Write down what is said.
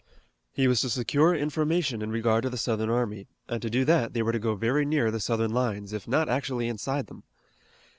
He was to secure information in regard to the Southern army, and to do that they were to go very near the Southern lines, if not actually inside them.